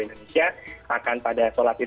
indonesia akan pada sholat id